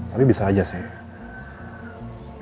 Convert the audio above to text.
tapi bisa aja sih